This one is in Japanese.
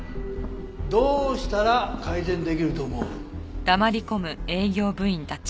どうしたら改善できると思う？